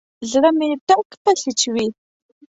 زړه مې ټک پسې چوي.